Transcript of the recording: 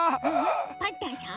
パンタンさん？